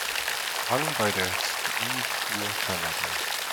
Rang bei der Ski Tour Canada.